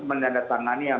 pada saat itu no